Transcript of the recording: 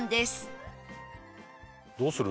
どうする？